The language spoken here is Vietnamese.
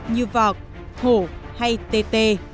như vọc hổ hay tê tê